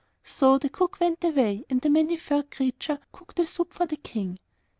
So the cook went away, and the Many furred Creature cooked the soup for the King.